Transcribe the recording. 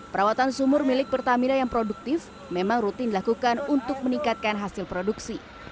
perawatan sumur milik pertamina yang produktif memang rutin dilakukan untuk meningkatkan hasil produksi